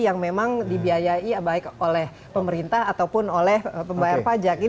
yang memang dibiayai baik oleh pemerintah ataupun oleh pembayar pajak